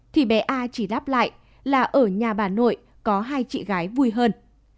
thì bé a chỉ đáp lại là ở nhà bà nội có hai chị gái vui hơn